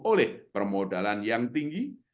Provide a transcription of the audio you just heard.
oleh permodalan yang tinggi